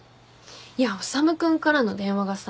いや修君からの電話がさ。